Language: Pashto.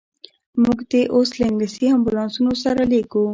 موږ دي اوس له انګلیسي امبولانسونو سره لېږو.